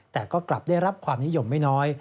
แต่ก็กลับได้รับความนิยมไม่น้อย